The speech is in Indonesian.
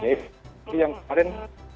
jadi yang kemarin